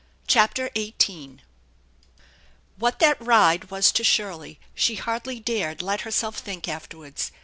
CHAPTER XVIII WHAT that ride was to Shirley she hardly dared let her self think afterwards.